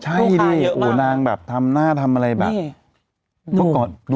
ใช่ดิโหนางแบบทำหน้าทำอะไรแบบ